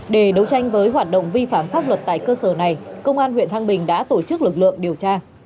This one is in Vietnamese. để đấu tranh với hoạt động vi phạm pháp luật tại cơ sở này công an huyện thăng bình đã tổ chức lực lượng điều tra